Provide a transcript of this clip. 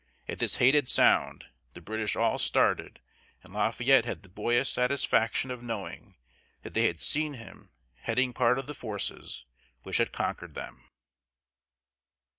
At this hated sound the British all started, and Lafayette had the boyish satisfaction of knowing that they had seen him heading part of the forces which had conquered them.